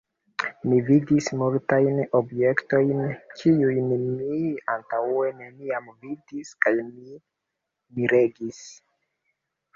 Mi vidis multajn objektojn, kiujn mi antaŭe neniam vidis, kaj mi miregis.